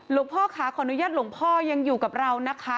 หลวงพ่อค่ะขออนุญาตหลวงพ่อยังอยู่กับเรานะคะ